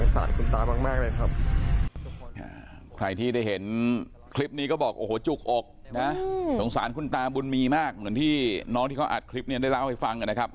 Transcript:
สงสารคุณตามากเลยครับ